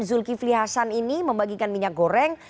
zulkifli hasan ini membagikan minyak goreng